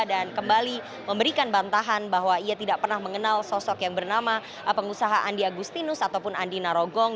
dan kembali memberikan bantahan bahwa ia tidak pernah mengenal sosok yang bernama pengusaha andi agustinus ataupun andi narogong